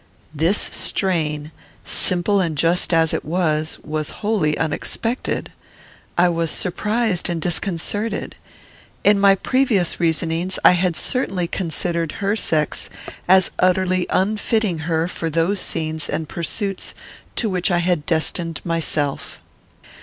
This strain, simple and just as it was, was wholly unexpected. I was surprised and disconcerted. In my previous reasonings I had certainly considered her sex as utterly unfitting her for those scenes and pursuits to which I had destined myself.